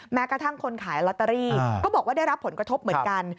แม้กระทั่งคนขายลอตเตอรี่ก็บอกว่าได้รับผลกระทบเหมือนกัน